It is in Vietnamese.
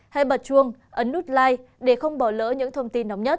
hãy bật chuông ấn nút like để không bỏ lỡ những thông tin nóng nhất